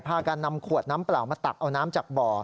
การนำขวดน้ำเปล่ามาตักเอาน้ำจากบ่อ